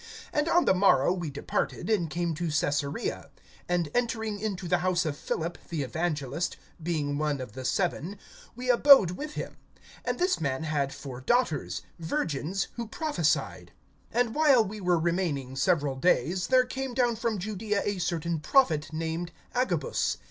(8)And on the morrow we departed, and came to Caesarea; and entering into the house of Philip the evangelist, being one of the Seven, we abode with him. (9)And this man had four daughters, virgins, who prophesied. (10)And while we were remaining several days, there came down from Judaea a certain prophet, named Agabus.